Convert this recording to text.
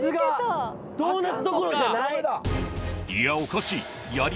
いやおかしい